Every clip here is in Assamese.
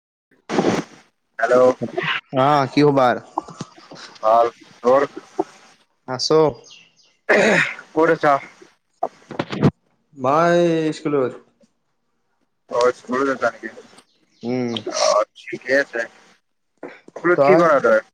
[unintelligible] অ কি হ'ব আৰ। ভাল তোৰ। [unintelligible] আছোঁ। ক'ত আছা।। মই স্কুলত। অ স্কুললৈ যায় নি। উম অ ঠিকে আছে। বুলো কি কৰা তই।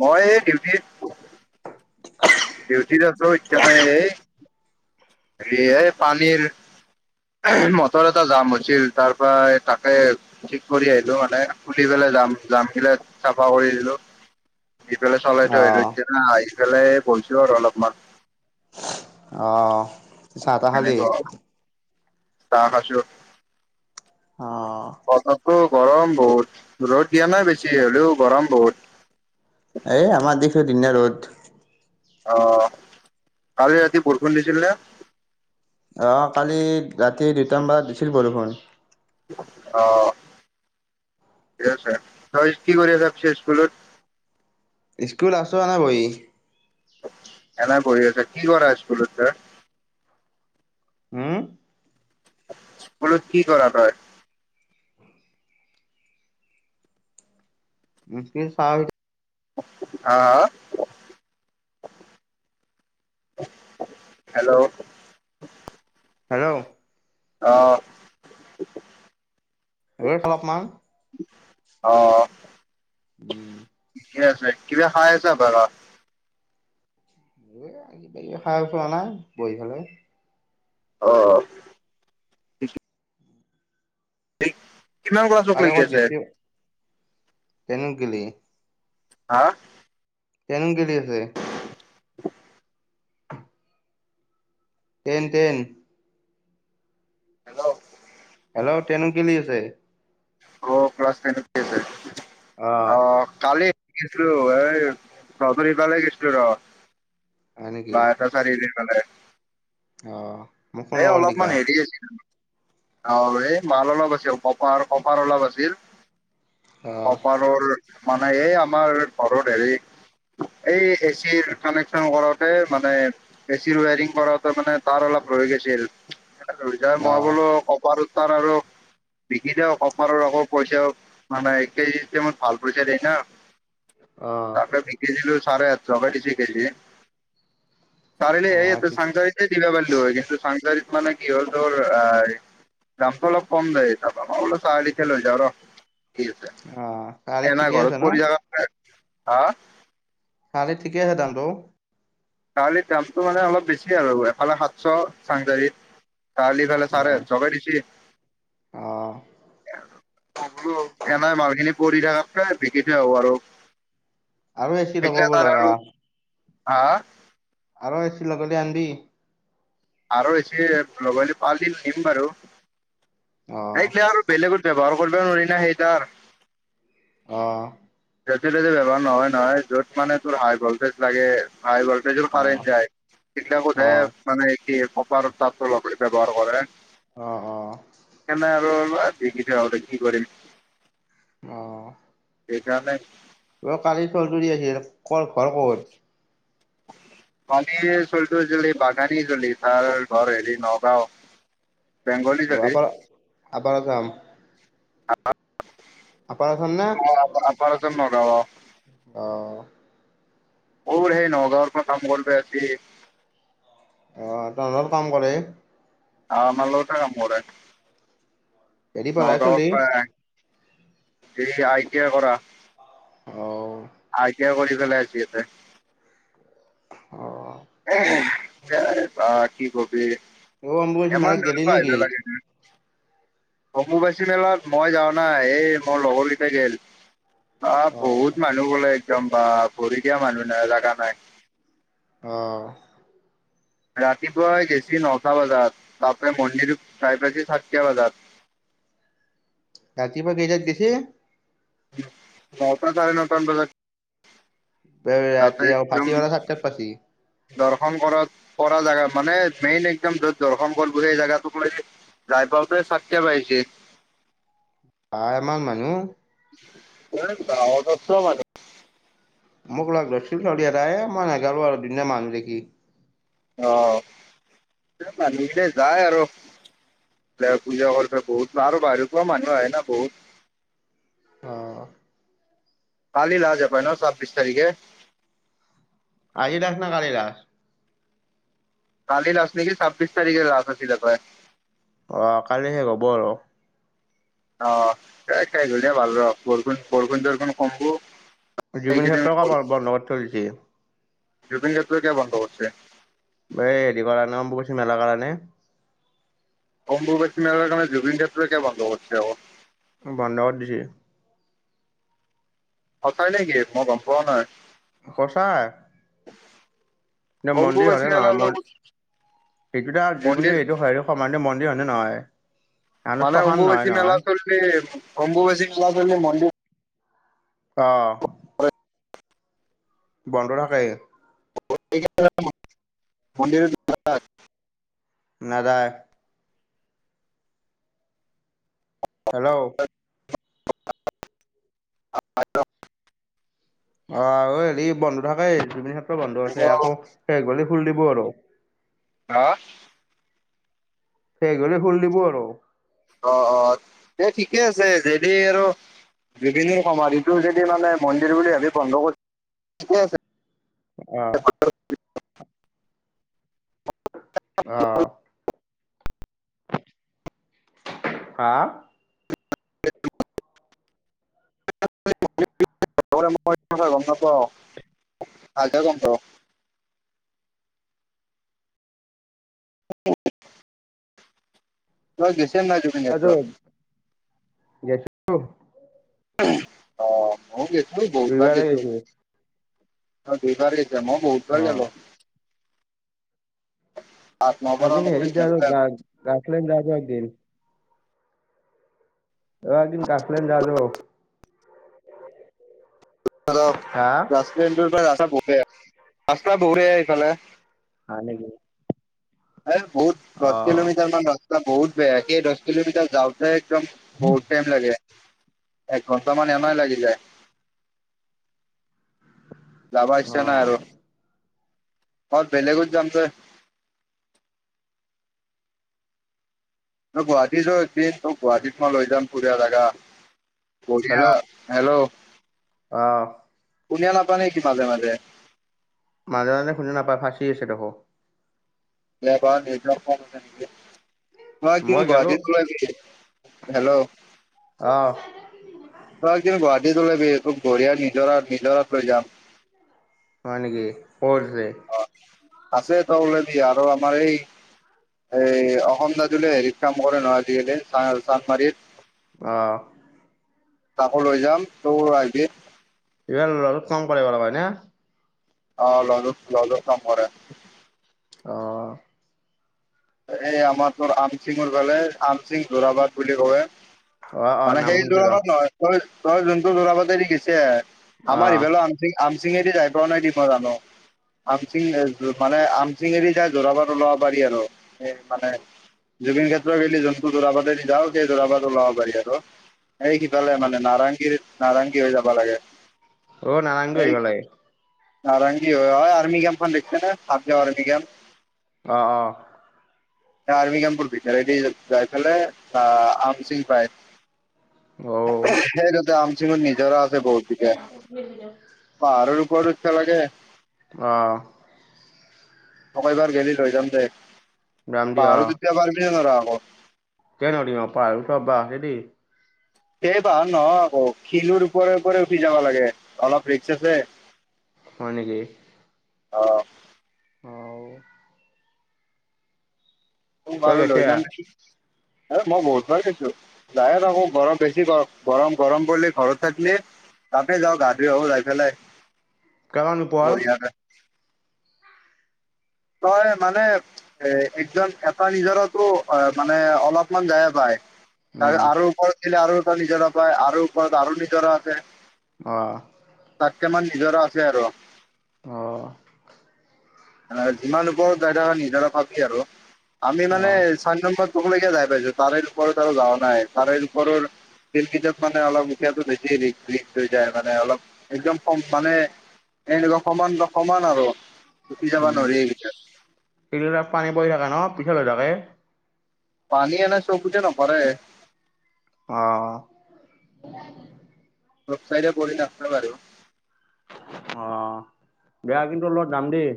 মই এই ডিউটিত। ডিউটিত আছোঁ এইকাৰণে এই। এ এই পানীৰ। মটৰ এটা জাম হৈছিল তাৰ পৰা তাকে ঠিক কৰি আহিলোঁ মানে খুুলি পেলাই। যাম যাম গিলা চাফা কৰি আহিলোঁ। আহিফালে চলাই থৈ আহিলো আহ এতিয়া আহি পেলাই বইছো আৰু অলপমান। অ চাহ তাহ খালি। এনেকুৱা চাহ খাইছোঁ। অঁ বতৰটো গৰম বহুত ৰ'দ দিয়া নাই বেছি হ'লেও গৰম বহুত। এই আমাৰ [unintelligible] ৰ'দ। অ কালি ৰাতি বৰষুণ দিছিল নে। অ কালি ৰাতি দুটামান বজাত দিছিল বৰষুণ। অ। ঠিক আছে ত কি কৰি আছা পিছে স্কুলত। স্কুলত আছোঁ এনে বহি। এনে বহি আছা কি কৰা স্কুলত তই। হুম। বোলো কি কৰা তই। [unintelligible] হা। হেল্ল'। থাক অ। [unintelligible] অলপমান। অ। উম। ঠিক আছে কিবা খাই আছা। [unintelligible] [unintelligible] খাই আছোঁ এনাই বহি পেলাই। অ। কিমান ক্লাছক কালি লিকি ক'ত আছে। গিলি। হা? টেন গেলি আছে। Ten ten. Hello! Hello! Ten গিলি আছে। অ' ক্লাছ টেন [unintelligible] অ' কালি [unintelligible] এই তহঁতৰ সেইফালে গেছিলো ৰ! হয় নেকি বাইহাটা চাৰিআলি। অ', মোক ফোন এই নকৰিল তিকা অলপমান হেৰি আছিল। অ' এই মাল অলপ আছিল, কপাৰ কপাৰ অলপ আছিল। অ', কপাৰৰ মানে এই আমাৰ ঘৰৰ হেৰি এই এচিৰ কানেকচন কৰাওতে মানে এচিৰ ৱাৰিং কৰোতে মানে তাঁৰ অলপ ৰয় গেছিল, মই অ', বোলো কপাৰৰ তাঁৰ আৰু বিকি দিয়ক। কপাৰৰ আকৌ পইচা মানে [unintelligible] ভাল পইচা দিয়ে না। অ', তাকে বিক্ৰী দিলো, চাৰে আঠশকে দিছি কেজি। চাৰিআলি অ', এই ঠিকে চাংচাৰিতে দিবা পাৰিলো হয়। কিন্তু চাংচাৰিত মানে কি'হল তোৰ দামটো অলপ কম দায় তাৰ পৰা। মই বোলো চাৰিআলিকে লৈ যাওঁ ৰ! ঠিক আছে অ', চাৰে এনে ঠিকে আছে ঘৰত ন? পৰি থকাতকে। হা? চাৰিআলিত ঠিকে আছে দামটো। চাৰিআলিত দামটো মানে অলপ বেছি আৰু, এফালে সাতশ চাংচাৰিত। চাৰআলি ফালে চাৰে অ', আঠশকে দিছে। অ', মই বোলো এনাই মালখিনি পৰি থাকাতকৈ বিকি দিও আৰু। আৰু এচি লবা সেইগিলা বোলে তাৰ আৰু এইবা। হা হা? আৰু এচি লগালে আনবি। আৰু এ চি লগালি [unintelligible] নিম বাৰু। অ', এইগা আৰু বেলেগত ব্যৱহাৰ কৰিব নোৱাৰি না সেইতাৰ আহ য বৱহাৰ নহয় নহয় য'ত মানে তোৰ হাই ভল্টেজ লাগে হাই বল্টেজৰ অ', অ', কাৰেণ্ট যায় কেতিয়া বধে অ', মানে কি াৰ তাতপ ব্যৱাৰ হে অ অ আৰু আজ কিছতে কি কৰে অ সেইকাৰণে অ', কালি চৌধুৰী আহি আছে, কৰ ঘৰ ক'ত? [inaudible] মানি চলাটো [unintelligible] বাগানী জনি তাৰ ঘৰ হেৰি নগাঁও। বেংগলী চলি আপাৰ, আপাৰ আসাম। [unintelligible] না অ', আপাৰ আসাম নগাওঁ। অ'। অ', সেই নগাঁৱৰ পৰা কাম কৰোঁতে ৰাতি অ', টাউনত কাম কৰে। অ', আমাৰ লগতে কাম কৰো হেৰি পাৰা নগাঁৱৰ চলি পৰাই এই আই টি আই কৰা, অ', আই এয়া কৰি গেল আছে এতে অ অ কি কৰ অ', অম্বুবাচী মেলাত গেলি এমালপা নেকি? অমুবাচী মেলত মই যাও নাই এই মোৰ লগৰলৈকেঞা গল আহ অ বহুত মানুহ গলে একদম বা ভৰি দিয়া মানুহ নাই জাগা নাই অ ৰাতিপুৱাই গেছ নটা বজাত তাৰপ মন্দিৰ চাই পাইছ চাৰিটা বজাত [inaudible] ৰাতি প গেই যাত গছে ভত চাৰে ন প বজাক ৰাতি ভাটিলা চাত ত পচি দৰ্শন কৰাত কৰা জেগা মানে মেইন একদম য'ত দৰ্শন কৰ বো সেই জোগাতোক লৈ য বাপৰে চাতে পাইজ বামান মানুহ এ গাৱত আছ মান মোক লগ ধৰিছিলাই মই নাাজালো আৰু দুনা মানুহ দেখি অহ নিলে যায় আৰু পূজা কৰছে বহুত আৰু বাহিৰ কোৱা মানুহ আহ ন বহুত অ কালি লাছ হপাই ন ছাব্বিশ তাৰিখে। আজি লাছ না কালি লাছ। কালি লাষ্ট নেকি ছাব্বিছ তাৰিখে লাষ্ট আছিলি হপাই। অ', কালি শেষ হব আৰু অ', খাই গিয়া ভাল ৰ বৰষুন-বৰষুন তৰখন কম্বো। জুবিন ক্ষেত্ৰক বন্ধগত থৈছে জুবিন ক্ষেত্ৰ কিয় বন্ধ কৰিছে? এই হেৰি কৰা নে অম্বুবাচী মেলা কাৰণে। অম্বুবাচী মেলাৰ কাৰণে জুবিন কিয় বন্ধ কৰিছে অ'? বন্ধ কৰি দিছি। সঁচাই নেকি মই গম পোৱ নাই। সচাঁই। মন্দিৰ অম্বুবাচী হয়নে মেলাৰ নহয়, লগত সেইটোতে [unintelligible] ম মন্দিৰ এইটো হয় সিটো সমান ম মন্দিৰ হয়নে নহয়? আন মানে শ্মশান নহয় অম্বুবচী মেলা নহয় চলি, অম্বুবচী মেলা চলি মন্দিৰ অ'হ। বন্ধ থাকে। মন্দিৰ [unintelligible] নাযায়। হেল্ল'। [unintelligible] অ' ঐ হেৰি বন্ধ থাকে, জুবিন ক্ষেত্ৰ বন্ধ আছে, আকৌ শেষ হলি খুলি দিব আৰু। হা? শেষ হলি খুল দিব আৰু। অ অ এ ঠিকে আছে যেনে আৰু জুবিনৰ সমাধিটো যদি মানে মন্দিৰ বুলি ভাবি বন্ধ কৰি ঠিকে আছে অ'হ। অ'হ। হা? [unintelligible] [unintelligible] মই গম নাপাওঁ [unintelligible] গম পাব [unintelligible] তই গেছে নাই জুবিন ক্ষেত্ৰ? গেইছো অ' মই গৈছো, বহুতবাৰ দুইবাৰে গৈছো, গেছো অ' দুইবাৰে মই বহুত বাৰ অ'। গলো বাৰ আজি মান হেৰি আৰু, গ গাখলেন্ড যাও [unintelligible] চ এদিন অ' এদিন গাখলেন্ড যাও [unintelligible] জ হা [unintelligible] ৰাস্তন্দ ৰাস্ত বৰে ৰাস্তা [unintelligible] বহুৰে এইফালে হয় নেকি? এ বহুত দহ অ' কিলোমিটাৰ মান ৰাস্তা বহুত বেয়া, সেই দহ কিলোমিটাৰ যাওঁতে একদম বহুত টাইম লাগে, এঘন্টা মান এনে লাগি যায়। যাবা ইচ্ছা নাই অ' আৰু আৰু বেলেগত যাম যে গুৱাহাটীতো এদিন, তোক গুৱাহাটীত মই লৈ যাম বৰিয়া জাগা। বৰিয়া, হেল্ল'। অ'হ। শুনা নাপায় নেকি, মাজে মাজে? মাজে মাজে শুনা নাপায় ফাঁচি আছে দেখ নেটৱৰ্ক নেটৱৰ্ক কম আছে নেকি। মই এদিন গুৱাহাটীত গলো, হেল্ল'। অ' তই এদিন গুৱাহাটীত ওলাবি, তোক বঢ়িয়া নিজৰা, নিজৰাত লৈ যাম। হয় নেকি, কত আছে? আছে তলেদি আৰু আমাৰ এই এই অসম দাদুলে হেৰিত কাম কৰে নহয়, ডি-এলে চানমাৰিত। অ'হ। তাকো লৈ যাম, তোইও আহিবি। ই অলপ কম [unintelligible] অ' লাজোত লাজোত কাম কৰে। অঁ এই আমাৰ তোৰ আমচিঙৰ ফালে আমচিং যোৰাবাট বুলি কয়। অ অ মানে সেই নামশুনছো ৰ যোৰাবাট নহয় তই তই যোনটো যোৰাবাতেদি গৈছা অ আমাৰ ইফালে আম আমচিঙেদি যাই পোৱা নাই দি মই জানো। আমচিং মানে আমচিং এৰি যাই যোৰাবাট ওলব পাৰি আৰু। মানে জুবিন ক্ষেত্ৰ গেলি যোনটো যোৰাবাতেডি যাও সেই যোৰাবাট ওলাব পাৰি আৰু। এই সিফালে অ মানে নাৰংগীৰ নাৰংগী হৈ যাব লাগে। অ নাৰেঙ্গী হৈ আইভা লাগে। নাৰেঙ্গী হয় এই আৰ্মি কেম্পখন দেখাচা নে সাত আৰ্মি কেম্প? অ অ আৰ্মি কেম্পৰ ভিতৰেদি যাই পেলাই আহ আমচিং পায়। অ সেই তাতে আমচিংট নিজৰা আছে বহুতগিটা। পাহাৰৰ ওপৰত উঠবা লাগে। অ তক এইবাৰ গেলি লৈ যাম দে, ৰামদি পাহাৰত উথবা পাৰিবিনে নোৱাৰ আকৌ? কে নৰিম আ পাহাৰত উথবা [unintelligible] সেই পাহাৰ নহ আকৌ খিলুৰ ওপৰে ওপৰে উঠি যাব লাগে অলপ ৰিক্স আছে। হয়নেকি? অ', ত তই মাৰ গৈছে লৈ যাম নি এ মই বহুত ভাল গৈছো যায়ে থাকো গৰম বেছি গৰম-গৰম কৰিলে ঘৰত থাকলি। তাতে যাওঁ গা ধুই আহোঁ যাই পেলাই কিমান ওপৰ বঢ়িয়াকে। তই মানে এ একজন এটা নিজৰতো অ' মানে অলপমান যায় পায়। উম তাৰপিছত আৰু ওপৰত গেলি আৰু নিজৰা পায় আৰু ওপৰত আৰু নিজৰা আছে। অহ, তাতকে মান নিজৰো আছে আৰু। অ', যিমান ওপৰত যায় নিজৰা ভাবি আৰু আমি মানে অ চাৰ নম্বৰ, তলৈকে যাই পাইছো তাৰে ওপৰত আৰু যাৱা নাই তাৰে ওপৰৰ ল [unintelligible] কেইটত মানে অলপ উখিয়াতটো বেছি ৰি হৈ যায় মানে অলপ একদম কম মানে এনেৱা সমান-সমান আৰু উঠি যাবা নোৱাৰি এইকেইটাত এই ত পানী পৰি থাকে ন পিছল হৈ থাকে। পানী এনে চ চকুতে নপৰে। অহ, ৰচাইড পৰি আছে আৰু। অ' বেয়া কিন্তু অলপ যাম দেই।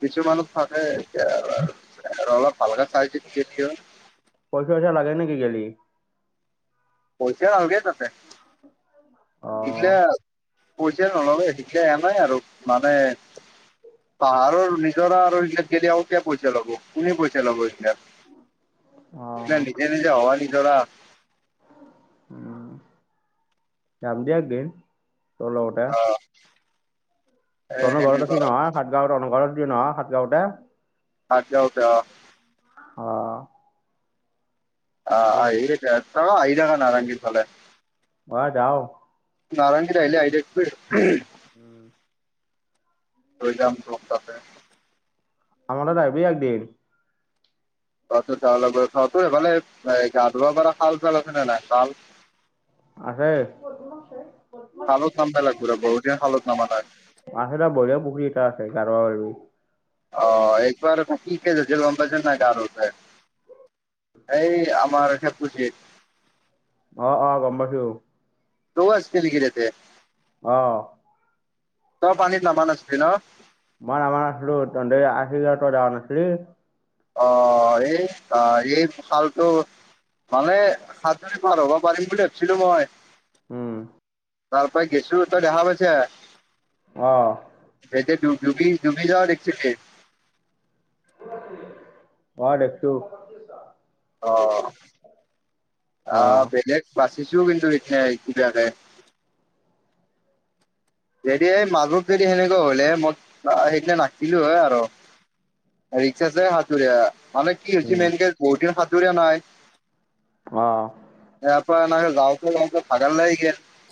কিছু মানুহ থাকে এ অলপ ভালকে চাই চিনি গেলিয় হল। পইচা ছইচা লাগে নেকি গেলি? পইচা নালগে ততে। অ', পইচা নললে সিকে এ নাই আৰু মানে পাহাৰৰ নিজৰা আৰু সেইগিলাকত গলে আৰু কিয় পইচা ল'ব কোনে পইচা লব অ সেইগিলাক এ নিজে-নিজে হৱা নিজৰা। উম, যাম দে একদিন। চল ঔট অ [unintelligible] এ ৰণ ঘৰত সেনেকুৱা আছেি নহয় সাতগাঁও ঘৰতিয় নহয় সাতগাঁওতে। আ' যাওতে অ', অ', আহি থাকা সৱে আহি থাকা নাৰেঙ্গী ফালে হয় যাও, নাৰাংগেৰে আহিলি আহি থাকবি। উম, লৈ যাম তোক তাতে। আমাৰ তাত আইভি একদিন তাৰপিছত তাৰ লগত তাহাতঁৰ এইফালে গা ধুৱা পাৰা খাল চাল আছে নে নাই খাল। আছে। শালত নাম পেলাই ঘূৰে বহুত দিন শালত নামা নাই আছে দে বঢিয়া পুখুৰী এটা আছে যাম, অ', আৰু অহ, একবাৰ কি কছে হৈছিল গম পাইছা নে নাই। এই আমাৰ সেইটোজিত অ-অ গম পাইছোঁ। তায়ো আছিল নেকি তাতে, অহ, তই পানীত নামানাচিলি ন। মই নমা নাছিলো তেনধে আশী তই যাৱা নাছিলি। অ' এই-এই খালটো মানে সাতজনী পাৰ হ'ব পাৰিম বুলি ভাবিছিলো মই। উম, তাৰপৰা গৈছোঁ তই দেখা পাইছা অঁ সেইটাইটো। জুবি জুবি যোৱা দেখছিলি। অ দেখিছোঁ। অহ অহ অঁ বেলেগ বাছ। গেইছো কিন্তু সিদিনা কিবাকে। যদি এই মাজত যদি সেনেকুৱা হলে মই সেইদিনা নাতকিলো হয় আৰু। ৰিক্স আছে সাঁতুৰিয়া মানে কি হৈছে মেইন কেছ বহুত দিন সাঁতুৰিয়া নাই। অহ। [unintelligible] যাওঁতে যাওঁতে ভাগৰ লাগি গেল।